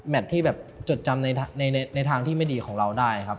ที่แบบจดจำในทางที่ไม่ดีของเราได้ครับ